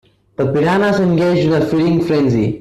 The piranhas engaged in a feeding frenzy.